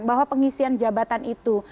bahwa pengisian jabatan itu